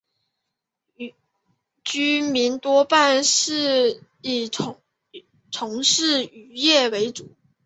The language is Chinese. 居民多半是以从事渔业为主。